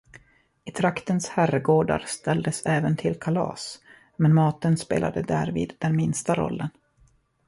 I traktens herrgårdar ställdes även till kalas, men maten spelade därvid den minsta rollen.